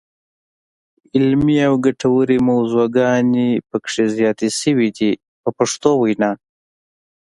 علمي او ګټورې موضوعګانې پکې زیاتې شوې دي په پښتو وینا.